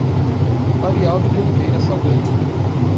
Arialdo de Oliveira Saldanha